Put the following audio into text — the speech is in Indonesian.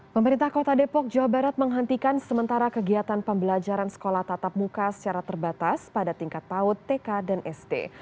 pemerintah kota depok jawa barat menghentikan sementara kegiatan pembelajaran sekolah tatap muka secara terbatas pada tingkat paut tk dan sd